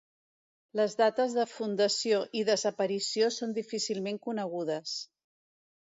Les dates de fundació i desaparició són difícilment conegudes.